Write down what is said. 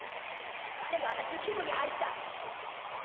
誰が私の金庫に入った？